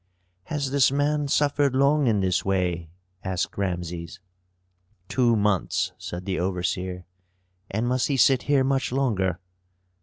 "Has this man suffered long in this way?" asked Rameses. "Two months," said the overseer. "And must he sit here much longer?"